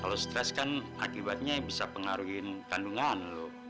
kalau stress kan akibatnya bisa pengaruhin kandungan lu